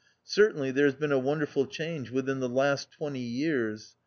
Certainly there has been a wonderful change within the last twenty years.